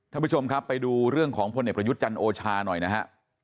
ท่านผู้ชมครับไปดูเรื่องของพลเอกประยุทธ์จันทร์โอชาหน่อยนะฮะ